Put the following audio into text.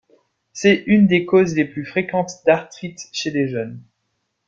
C'est une des causes les plus fréquentes d'arthrite chez les jeunes.